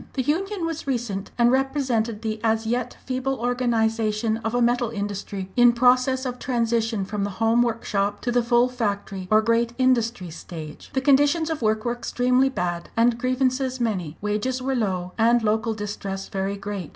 The union was recent, and represented the as yet feeble organisation of a metal industry in process of transition from the home workshop to the full factory, or Great Industry stage. The conditions of work were extremely bad, and grievances many; wages were low, and local distress very great.